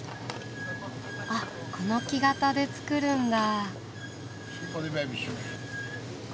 あっこの木型で作るんだ。